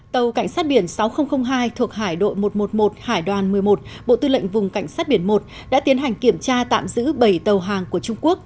tàu cảnh sát biển sáu nghìn hai thuộc hải đội một trăm một mươi một hải đoàn một mươi một bộ tư lệnh vùng cảnh sát biển một đã tiến hành kiểm tra tạm giữ bảy tàu hàng của trung quốc